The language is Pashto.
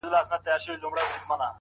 زه درته څه ووايم”